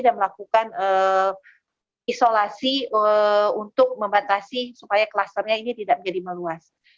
dan melakukan isolasi untuk membatasi supaya klasternya ini tidak menjadi meluas